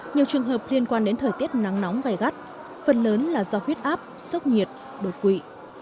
nhiều trường hợp liên quan đến thời tiết nắng nóng gai gắt phần lớn là do huyết áp sốc nhiệt đột quỵ